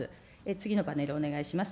次のパネル、お願いします。